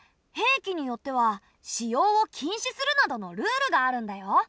兵器によっては使用を禁止するなどのルールがあるんだよ。